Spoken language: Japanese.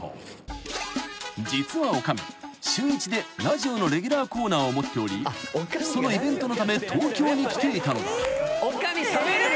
［実は女将週１でラジオのレギュラーコーナーを持っておりそのイベントのため東京に来ていたのだ］